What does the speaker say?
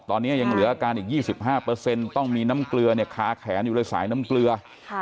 ตอนนี้ยังเหลืออาการอีก๒๕ต้องมีน้ำเกลือคาแขนอยู่เลยสายน้ำเกลือ